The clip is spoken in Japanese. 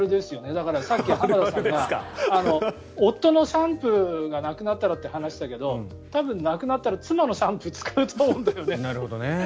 だから、さっき浜田さんが夫のシャンプーがなくなったらって話していたけど多分なくなったら妻のシャンプーを使うと思うんだよね。